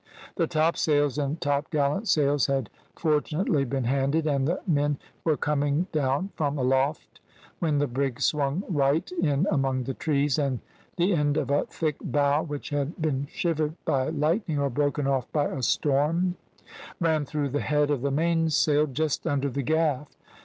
The topsails and topgallant sails had fortunately been handed, and the men were coming down from aloft when the brig swung right in among the trees, and the end of a thick bough which had been shivered by lightning, or broken off by a storm, ran through the head of the mainsail just under the gaff.